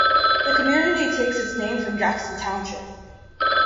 The community takes its name from Jackson Township.